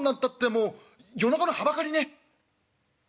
もう夜中のはばかりね」。